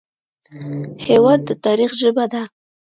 هېواد د تاریخ ژبه ده.